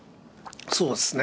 そうですね。